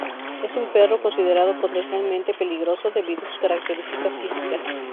Es un perro considerado potencialmente peligroso debido a sus características físicas.